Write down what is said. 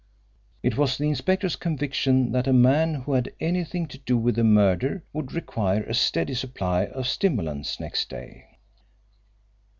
It was the inspector's conviction that a man who had anything to do with a murder would require a steady supply of stimulants next day.